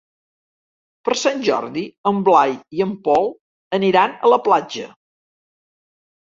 Per Sant Jordi en Blai i en Pol aniran a la platja.